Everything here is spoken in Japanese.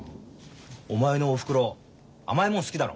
お前のおふくろ甘いもん好きだろ？